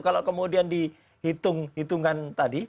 kalau kemudian dihitung hitungan tadi